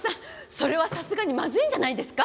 それはさすがにまずいんじゃないですか？